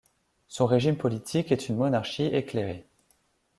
Son régime politique est une monarchie éclairée.